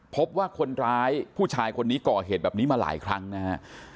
พบว่าคนร้ายผู้ชายคนนี้ก่อเหตุแบบนี้มาหลายครั้งนะฮะ